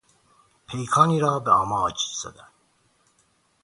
پیکانی را به آماج زدن